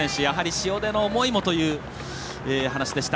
塩出の思いもという話でした。